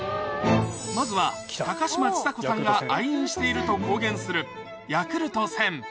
まずは高嶋ちさ子さんが愛飲していると公言するヤクルト１０００